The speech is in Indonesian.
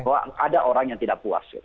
bahwa ada orang yang tidak puas